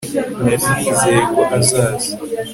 nari nizeye ko azaza